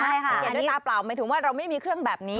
สังเกตด้วยตาเปล่าหมายถึงว่าเราไม่มีเครื่องแบบนี้